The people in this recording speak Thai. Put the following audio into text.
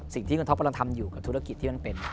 สิ่งที่คุณท็อปกำลังทำอยู่กับธุรกิจที่มันเป็น